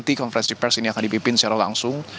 konferensi pers ini akan dipimpin secara langsung